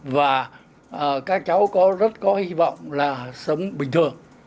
và các cháu có rất có hy vọng là sống bình thường